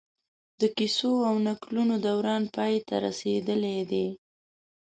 د کيسو او نکلونو دوران پای ته رسېدلی دی